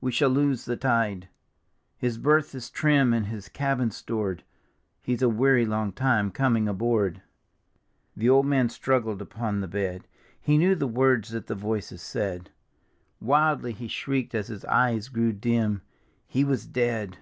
We shall lose the tide: His berth is trim and. his cabin stored, He's a weary long time coming aboard." The old man stru^ed upon the bed: He knew the words that the voices said ; Wildly he shrieked as his eyes grew dim, '" He was dead